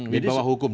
di bawah hukum